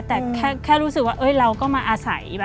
แต่แค่รู้สึกว่าเราก็มาอาศัย